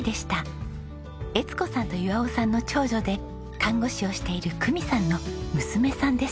江津子さんと岩男さんの長女で看護師をしている久美さんの娘さんです。